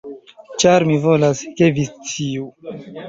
Ĉar mi volas, ke vi sciu.